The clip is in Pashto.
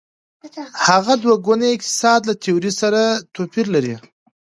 هغه دوه ګونی اقتصاد له تیورۍ سره توپیر لري.